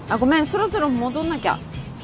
そろそろ戻んなきゃ。